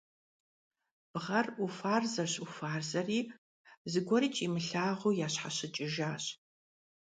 Бгъэр уфарзэщ-уфарзэри, зыгуэрикӀ имылъагъуу ящхьэщыкӀыжащ.